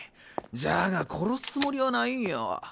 じゃが殺すつもりはないんよ。